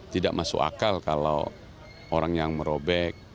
tidak masuk akal kalau orang yang merobek